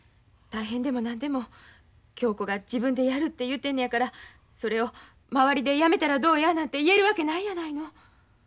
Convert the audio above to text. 大変でも何でも恭子が自分でやるて言うてんのやからそれを周りでやめたらどうやなんて言えるわけないやないの。